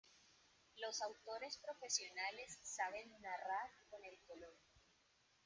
Los autores profesionales saben "narrar" con el color.